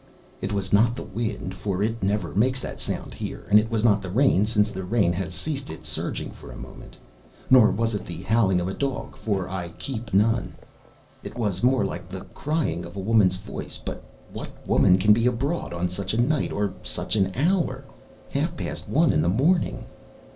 It was not the wind, for it never makes that sound here, and it was not the rain, since the rain has ceased its surging for a moment; nor was it the howling of a dog, for I keep none. It was more like the crying of a woman's voice; but what woman can be abroad on such a night or at such an hour—half past one in the morning?